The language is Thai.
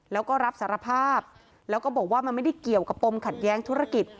แล้วก็รับสารภาพแล้วก็บอกว่ามันไม่ได้เกี่ยวกับปมขัดแย้งธุรกิจ